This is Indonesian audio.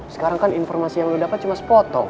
sekarang kan informasi yang lo dapet cuma sepotong